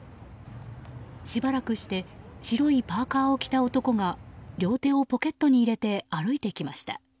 しばらくして白いパーカを着た男が両手をポケットに入れて歩いてきました。